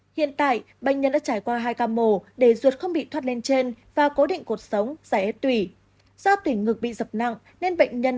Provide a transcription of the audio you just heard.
hiện tại bệnh nhân đã trải qua hai cam mồ để ruột không bị thoát lên trên và cố định cuộc sống giải ép tủy